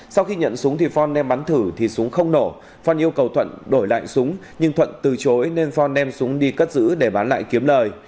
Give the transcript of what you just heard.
sau khi nhận súng thì phong đem bắn thử thì súng không nổ phong yêu cầu thuận đổi lại súng nhưng thuận từ chối nên phong đem súng đi cất giữ để bán lại kiếm lời